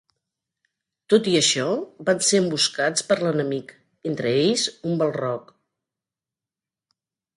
Tot i això, van ser emboscats per l'enemic, entre ells un Balrog.